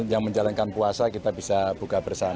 yang menjalankan puasa kita bisa buka bersama